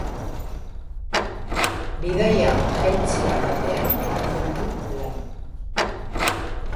Bidaia-agentzia batean egiten du lan.